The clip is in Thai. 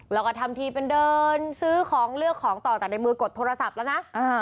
แล้วก็ทำทีเป็นเดินซื้อของเลือกของต่อแต่ในมือกดโทรศัพท์แล้วนะ